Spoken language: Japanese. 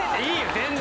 全然。